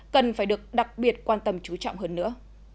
cần phải được đặc biệt quan tâm chú trọng hơn nữa